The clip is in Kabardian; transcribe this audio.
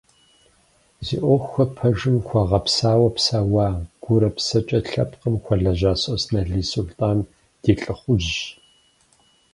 Зи ӏуэхухэр пэжым хуэгъэпсауэ псэуа, гурэ псэкӏэ лъэпкъым хуэлэжьа Сосналы Сулътӏан ди лӏыхъужьщ.